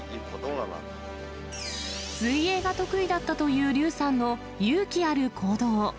水泳が得意だったという劉さんの勇気ある行動。